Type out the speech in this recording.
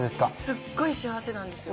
すっごい幸せなんですよ